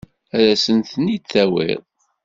Ad asen-ten-id-tawiḍ?